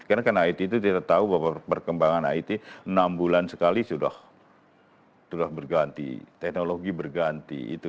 karena it itu kita tahu bahwa perkembangan it enam bulan sekali sudah berganti teknologi berganti